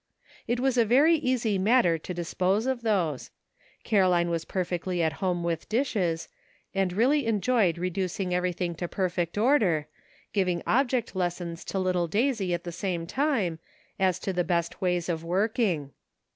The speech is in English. It was a very easy matter to dispose of those ; Caroline was perfectly at home with dishes, and really enjoyed reducing everything to perfect order, giving object les sons to little Daisy at the same time, as to the best ways of working.